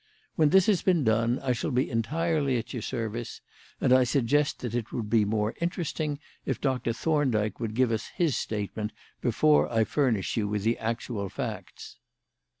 When this has been done I shall be entirely at your service; and I suggest that it would be more interesting if Doctor Thorndyke would give us his statement before I furnish you with the actual facts."